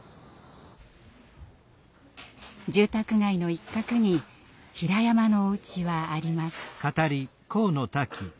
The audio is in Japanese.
住宅街の一角にひらやまのお家はあります。